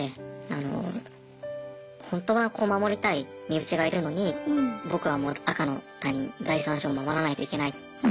あのホントは守りたい身内がいるのに僕は赤の他人第三者を守らないといけない。